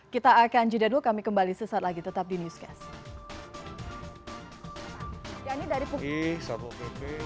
kita akan jeda dulu kami kembali sesaat lagi tetap di newscast